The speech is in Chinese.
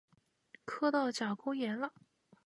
磕到甲沟炎了！